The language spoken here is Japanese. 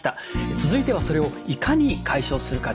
続いてはそれをいかに解消するかです。